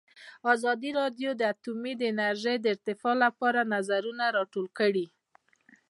ازادي راډیو د اټومي انرژي د ارتقا لپاره نظرونه راټول کړي.